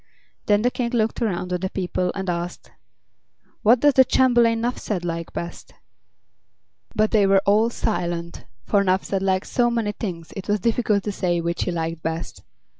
Then the King looked around on the people and asked: "What does the Chamberlain Nuphsed like best?" But they were all silent, for Nuphsed liked so many things it was difficult to say which he liked best.